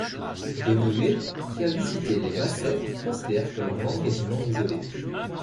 Donohue, qui a visité les Massep, considère que leur langue est une langue isolée.